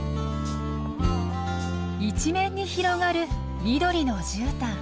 一面に広がる緑のじゅうたん。